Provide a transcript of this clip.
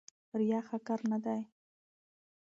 ریا ښه کار نه دی.